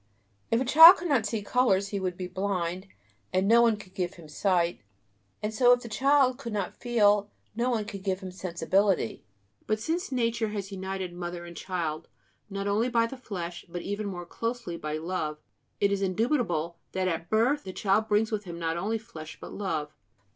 If a child could not see colors he would be blind; and no one could give him sight. And so if the child could not feel, no one could give him sensibility; but since Nature has united mother and child not only by the flesh, but even more closely by love, it is indubitable that at birth the child brings with him not only flesh but love.